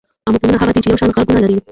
اموفونونه هغه دي، چي یو شان ږغونه لري.